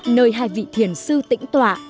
nơi hai vị thiền sư tĩnh tọa